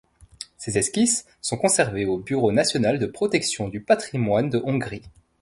Ces esquisses sont conservées au Bureau national de protection du patrimoine de Hongrie.